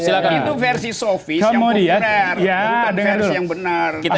itu versi sofis yang benar